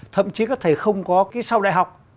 thậm chí các thầy không có kỹ sau đại học